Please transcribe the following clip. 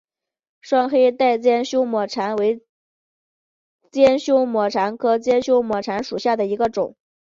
双黑带尖胸沫蝉为尖胸沫蝉科尖胸沫蝉属下的一个种。